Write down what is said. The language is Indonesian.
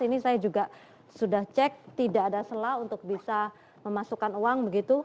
ini saya juga sudah cek tidak ada sela untuk bisa memasukkan uang begitu